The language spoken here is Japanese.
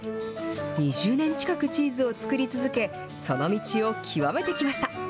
２０年近くチーズを作り続け、その道を究めてきました。